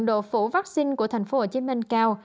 độ phủ vaccine của tp hcm cao